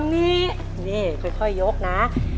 นี่ค่อยยกนะ